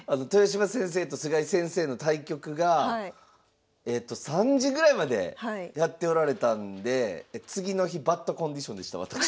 豊島先生と菅井先生の対局が３時ぐらいまでやっておられたんで次の日バッドコンディションでした私。